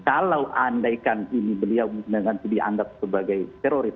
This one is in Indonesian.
kalau andaikan ini beliau diandalkan sebagai teroris